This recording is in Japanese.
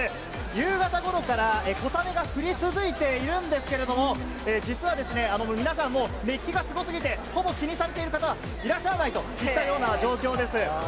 夕方ごろから小雨が降り続いているんですけれども、実はですね、皆さんもう熱気がすごすぎて、ほぼ気にされている方はいらっしゃらないといったような状況です。